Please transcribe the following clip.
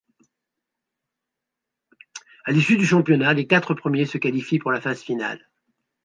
À l'issue du championnat, les quatre premiers se qualifient pour la phase finale.